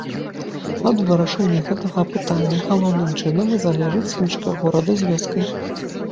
Ад вырашэння гэтага пытання галоўным чынам і залежыць смычка горада з вёскай.